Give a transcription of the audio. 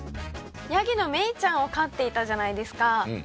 ヤギのメイちゃんを飼っていたじゃないですか。